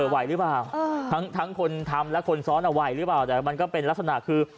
ไหวหรือเปล่าทั้งคนทำและคนซ้อนไหวหรือเปล่าแต่มันก็เป็นลักษณะคือ